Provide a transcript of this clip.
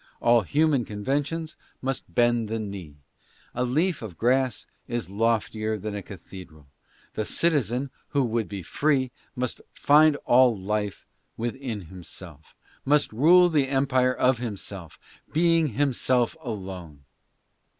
All human conventions must bend the knee. A leaf of grass is loftier than a cathedral. The citizen who would be free must find all life within himself, " must rule the empire of himself, being himself alone."